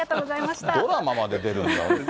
ドラマまで出るんだ。